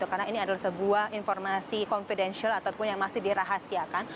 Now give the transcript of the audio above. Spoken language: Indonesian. karena ini adalah sebuah informasi confidential ataupun yang masih dirahasiakan